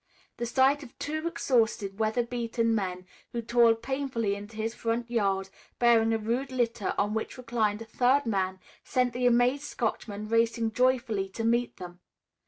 The sight of two exhausted, weather beaten men who toiled painfully into his front yard, bearing a rude litter on which reclined a third man, sent the amazed Scotchman racing joyfully to meet them.